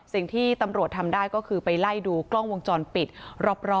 สิ่งที่ตำรวจทำได้ก็คือไปไล่ดูกล้องวงจรปิดรอบ